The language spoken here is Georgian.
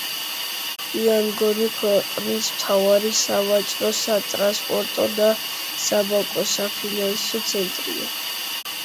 იანგონი ქვეყნის მთავარი სავაჭრო-სატრანსპორტო და საბანკო-საფინანსო ცენტრია.